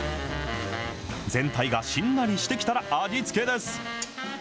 全体がしんなりしてきたら、味付けです。